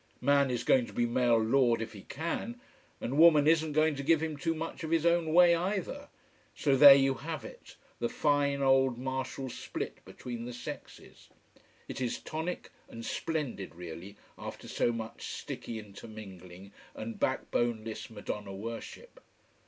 Man is going to be male Lord if he can. And woman isn't going to give him too much of his own way, either. So there you have it, the fine old martial split between the sexes. It is tonic and splendid, really, after so much sticky intermingling and backboneless Madonna worship.